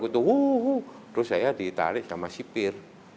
terus saya ditarik sama sipir